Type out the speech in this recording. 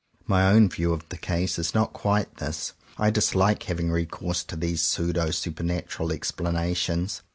My own view of the case is not quite this. I dislike having re course to these pseudo supernatural ex planations.